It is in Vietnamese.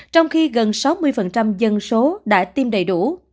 trong khi gần sáu mươi dân số đã tiêm đầy đủ